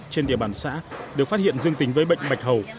trên địa bàn xã được phát hiện dương tính với bệnh bạch hầu